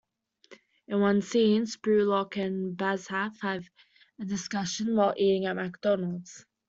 In one scene, Spurlock and Banzhaf have a discussion while eating at McDonald's.